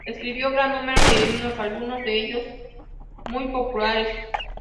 Escribió gran número de himnos, algunos de ellos muy populares.